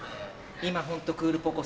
今ホントクールポコ。